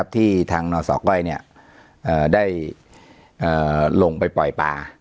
ที่ทางนศก้อยได้ลงไปปล่อยป่า